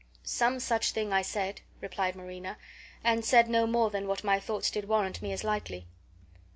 "Some such thing I said," replied Marina, "and said no more than what my thoughts did warrant me as likely."